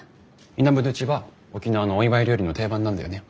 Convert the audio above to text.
イナムドゥチは沖縄のお祝い料理の定番なんだよね。